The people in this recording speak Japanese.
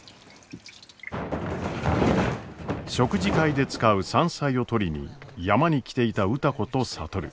食事会で使う山菜を採りに山に来ていた歌子と智。